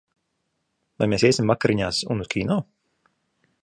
Vai mēs iesim vakariņās un uz kino?